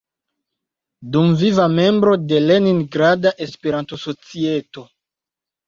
Dumviva membro de Leningrada Espertanto-Societo.